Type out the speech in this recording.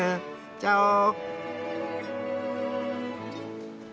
チャオー。